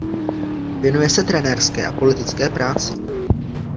Věnuje se trenérské a politické práci.